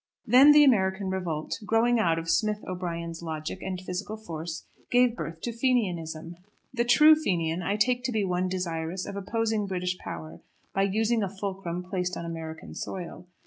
Then the American revolt, growing out of Smith O'Brien's logic and physical force, gave birth to Fenianism. The true Fenian I take to be one desirous of opposing British power, by using a fulcrum placed on American soil.